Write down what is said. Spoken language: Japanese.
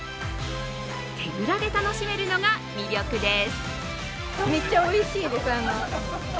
手ぶらで楽しめるのが魅力です。